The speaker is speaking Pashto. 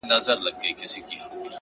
په دې وطن کي به نو څنگه زړه سوری نه کوي-